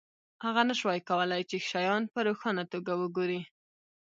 هغه نشوای کولی چې شیان په روښانه توګه وګوري